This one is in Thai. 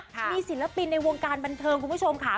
มีศิลปินในวงการบันเทิงคุณผู้ชมค่ะ